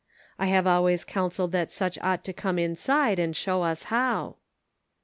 I have always counseled that such ought to come inside and show us how."